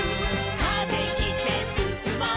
「風切ってすすもう」